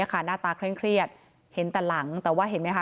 หน้าตามันเคล็ดเห็นแต่หลังแต่ว่าเห็นไหมค่ะ